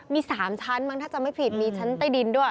มี๓ชั้นมั้งถ้าจำไม่ผิดมีชั้นใต้ดินด้วย